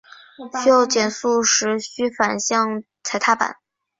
需要减速时须反向踩踏板。